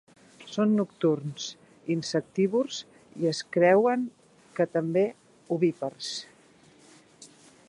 Són nocturns, insectívors i es creuen que també ovípars.